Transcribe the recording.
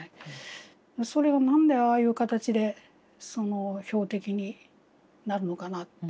それを何でああいう形で標的になるのかなって。